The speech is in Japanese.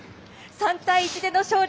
３対１での勝利